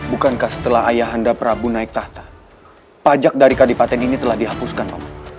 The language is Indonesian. bukankah setelah ayah anda prabu naik tahta pajak dari kadipaten ini telah dihapuskan mama